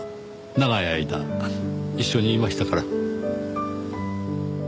長い間一緒にいましたから。